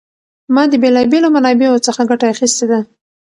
ما د بېلا بېلو منابعو څخه ګټه اخیستې ده.